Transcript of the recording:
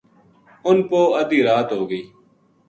اِنھ پو اَدھی رات ہو گئی